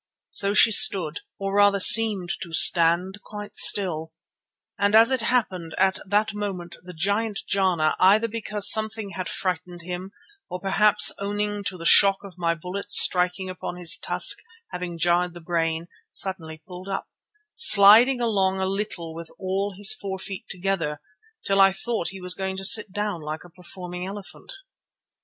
So she stood, or rather seemed to stand, quite still; and as it happened, at that moment the giant Jana, either because something had frightened him, or perhaps owing to the shock of my bullet striking on his tusk having jarred the brain, suddenly pulled up, sliding along a little with all his four feet together, till I thought he was going to sit down like a performing elephant.